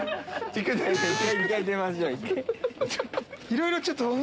いろいろちょっと。